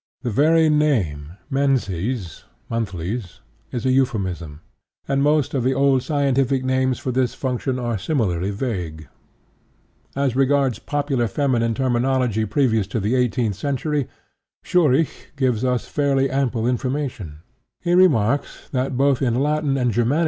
The very name, menses ("monthlies"), is a euphemism, and most of the old scientific names for this function are similarly vague. As regards popular feminine terminology previous to the eighteenth century, Schurig gives us fairly ample information (Parthenologia, 1729, pp.